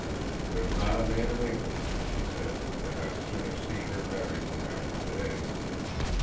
"There's not a man in England," he said, "that I'd sooner see her married to after to day.